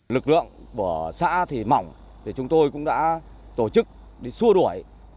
lực lượng của xã thì mỏng chúng tôi cũng đã tổ chức để xua đuổi